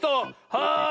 はい！